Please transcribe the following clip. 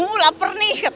uh lapar nih